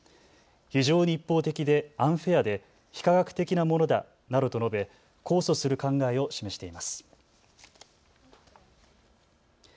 非常に一方的でアンフェアで非科学的なものだなどと述べ控訴する考えを示しています。